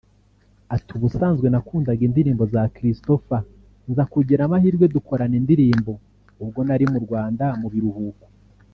Ati “Ubusanzwe nakundaga indirimbo za Christopher nza kugira amahirwe dukorana indirimbo ubwo nari mu Rwanda mu biruhuko